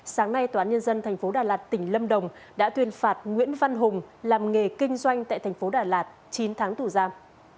sáng nay tnth đà lạt tỉnh lâm đồng đã tuyên phạt nguyễn văn hùng làm nghề kinh doanh tại tp đà lạt chín tháng tủ giam